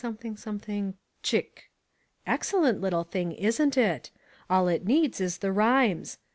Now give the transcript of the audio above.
T'chk. Excellent little thing, isn't it? All it needs is the rhymes.